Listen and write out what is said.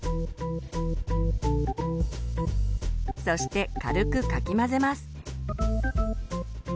そして軽くかき混ぜます。